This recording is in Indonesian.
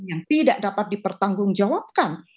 yang tidak dapat dipertanggungjawabkan